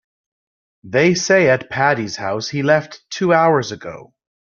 They say at Patti's house he left two hours ago.